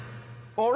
あれ？